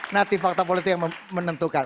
nanti fakta politik yang menentukan